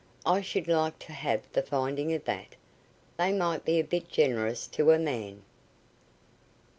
"I should like to have the finding of that. They might be a bit generous to a man."